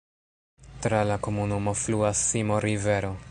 Tra la komunumo fluas Simo-rivero.